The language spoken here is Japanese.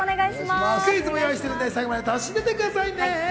クイズも用意しているので最後まで楽しんでいってくださいね。